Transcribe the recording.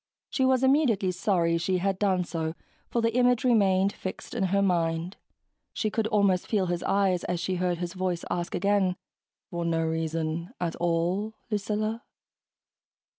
She was immediately sorry she had done so, for the image remained fixed in her mind; she could almost feel his eyes as she heard his voice ask again, "For no reason at all, Lucilla?"